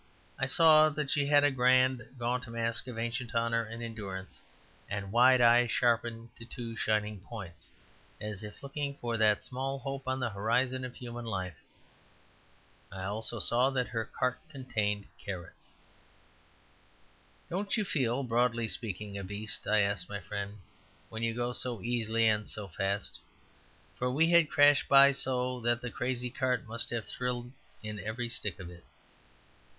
I saw that she had a grand, gaunt mask of ancient honour and endurance, and wide eyes sharpened to two shining points, as if looking for that small hope on the horizon of human life. I also saw that her cart contained carrots. "Don't you feel, broadly speaking, a beast," I asked my friend, "when you go so easily and so fast?" For we had crashed by so that the crazy cart must have thrilled in every stick of it.